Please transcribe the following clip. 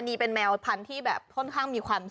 นี่น่ารักไหมครับ